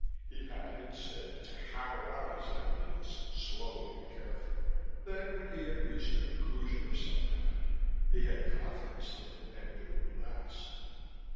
He had instead to hammer out his ideas slowly and carefully: then when he had reached a conclusion of some kind, he had confidence in it and knew it would last.